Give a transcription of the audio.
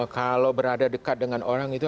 kalau berada dekat dengan orang itu